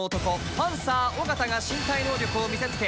パンサー尾形が身体能力を見せつけ